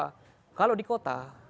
karena kalau di kota